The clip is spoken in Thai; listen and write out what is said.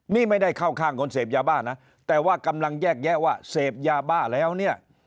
นี่ไม่ได้เข้าข้างคนเสพยาบ้านะแต่ว่ากำลังแยกแยะว่าเสพยาบ้าแล้วเนี่ย